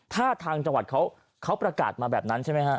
ถ้าทางจังหวัดเขาประกาศมาแบบนั้นใช่ไหมฮะ